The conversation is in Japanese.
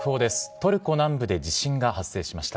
トルコ南部で地震が発生しました。